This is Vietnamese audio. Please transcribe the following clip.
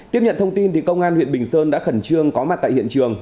tiếp nhận thông tin công an huyện bình sơn đã khẩn trương có mặt tại hiện trường